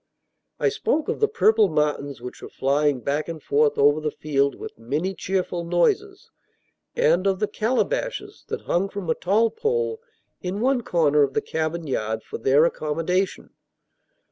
I spoke of the purple martins which were flying back and forth over the field with many cheerful noises, and of the calabashes that hung from a tall pole in one corner of the cabin yard, for their accommodation.